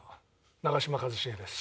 長嶋一茂です。